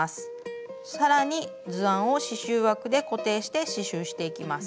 更に図案を刺しゅう枠で固定して刺しゅうしていきます。